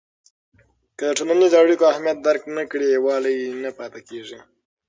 که د ټولنیزو اړیکو اهمیت درک نه کړې، یووالی نه پاتې کېږي.